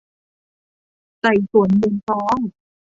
ไต่สวนมูลฟ้อง